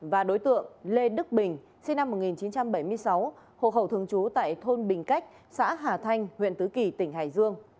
và đối tượng lê đức bình sinh năm một nghìn chín trăm bảy mươi sáu hộ khẩu thường trú tại thôn bình cách xã hà thanh huyện tứ kỳ tỉnh hải dương